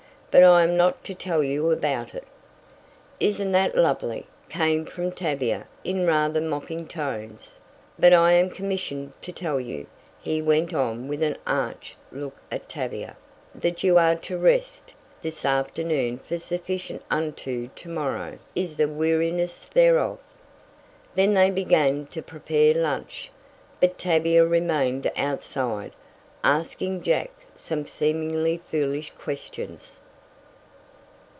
But I am not to tell you about it." "Isn't that lovely," came from Tavia in rather mocking tones. "But I am commissioned to tell you," he went on with an arch look at Tavia, "that you are to rest this afternoon for sufficient unto to morrow is the weariness thereof." Then they began to prepare lunch, but Tavia remained outside, asking Jack some seemingly foolish questions.